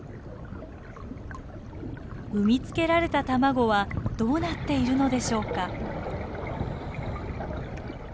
産みつけられた卵はどうなっているのでしょうか？